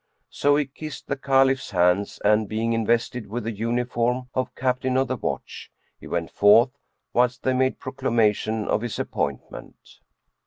So he kissed the Caliph's hands and, being invested with the uniform of Captain of the Watch, he went forth, whilst they made proclamation of his appointment.